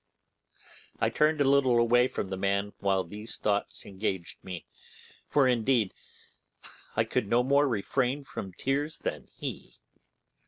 I turned a little way from the man while these thoughts engaged me, for, indeed, I could no more refrain from tears than he.